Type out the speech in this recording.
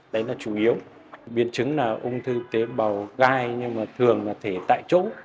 đấy là chủ yếu biên chứng là ung thư tế bảo gai nhưng mà thường là thể tại chỗ